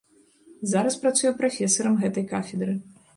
Зараз працуе прафесарам гэтай кафедры.